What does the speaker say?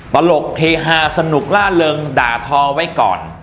ตลกเฮฮาสนุกล่าเริงด่าทอไว้ก่อน